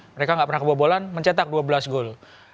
mereka nggak pernah kebobolan mencetak dua belas gol